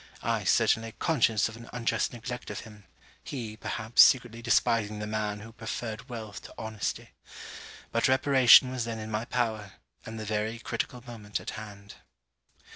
I, certainly conscious of an unjust neglect of him: he, perhaps secretly despising the man who preferred wealth to honesty. But reparation was then in my power; and the very critical moment at hand.